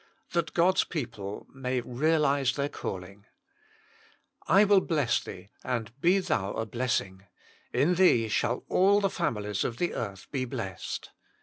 hat (Sail s |Je0ple man Healtse tljeir Calling " I will bless thee ; and be thon a blessing ://? thee shall all the families of the earth be blessed."